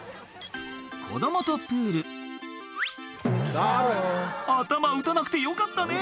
子供とプール頭打たなくてよかったね